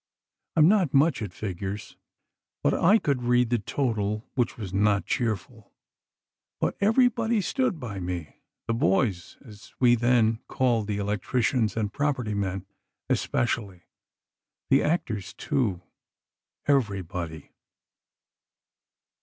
I am not much at figures, but I could read the total, which was not cheerful. But everybody stood by me, the 'boys,' as we then called the electricians and property men, especially. The actors, too—everybody.